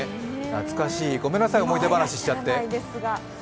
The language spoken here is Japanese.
懐かしい、ごめんなさい、思い出話しちゃって。